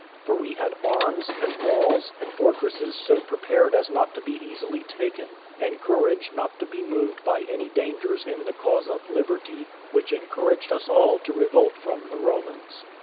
For we had arms, and walls, and fortresses so prepared as not to be easily taken, and courage not to be moved by any dangers in the cause of liberty, which encouraged us all to revolt from the Romans.